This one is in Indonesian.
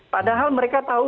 padahal mereka tahu